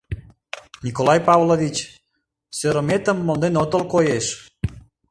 — Николай Павлович, сӧрыметым монден отыл, коеш.